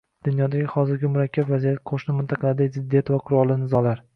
Dunyodagi hozirgi murakkab vaziyat, qo‘shni mintaqalardagi ziddiyat va qurolli nizolar